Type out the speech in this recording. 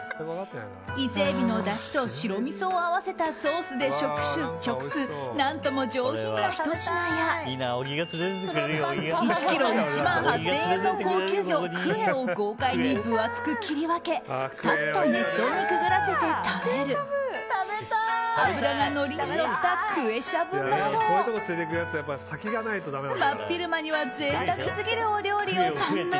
伊勢エビのだしと白みそを合わせたソースで食す何とも上品なひと品や１ｋｇ１万８０００円の高級魚クエを豪快に分厚く切り分けサッと熱湯にくぐらせて食べる脂がのりにのったクエしゃぶなど真っ昼間には贅沢すぎるお料理を堪能。